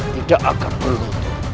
tidak akan beruntung